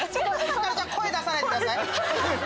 声出さないでください。